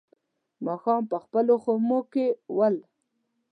ماښام په خپلو خيمو کې ول.